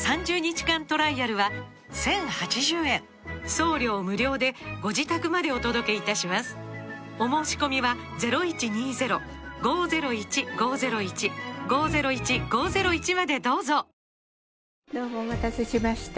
送料無料でご自宅までお届けいたしますお申込みはどうもお待たせしました。